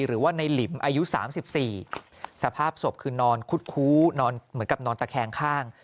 หรือว่าในหลิมอายุ๓๔สภาพศพคือนอนคุดคู้นอนเหมือนกับนอนตะแคงข้าง